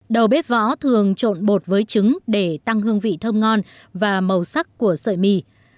đầu bếp võ thường trộn bột với trứng để tăng hương vị thơm ngon và màu sắc của sợi mì